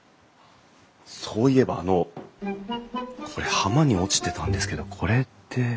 そういえばあのこれ浜に落ちてたんですけどこれって。